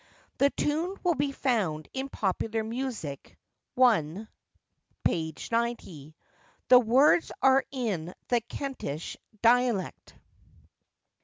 The tune will be found in Popular Music, I., 90. The words are in the Kentish dialect.